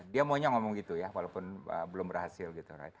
dia maunya ngomong gitu ya walaupun belum berhasil gitu